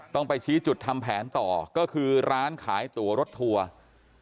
ต้องไปชี้จุดทำแผนต่อก็คือร้านขายตัวรถทัวร์